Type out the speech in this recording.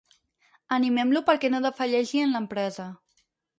Animem-lo perquè no defalleixi en l'empresa.